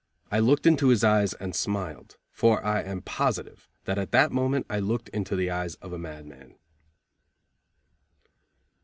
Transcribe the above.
I looked into his eyes and smiled, for I am positive that at that moment I looked into the eyes of a madman.